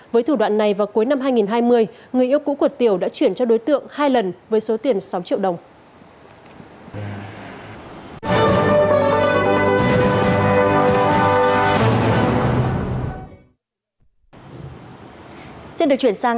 với thủ đoạn này vào cuối năm hai nghìn hai mươi người yêu cũ của tiểu đã chuyển cho đối tượng hai lần với số tiền sáu triệu đồng